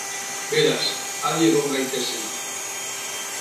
Beraz, adi egon gaitezen.